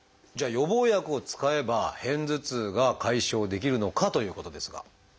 じゃあ予防薬を使えば片頭痛が解消できるのかということですが。